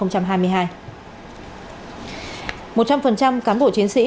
một trăm linh cán bộ chiến sĩ